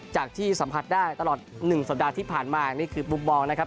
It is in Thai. จากที่สัมผัสได้ตลอด๑สัปดาห์ที่ผ่านมานี่คือมุมมองนะครับ